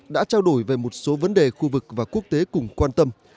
đã trao đổi về một số vấn đề khu vực và quốc tế cùng quan tâm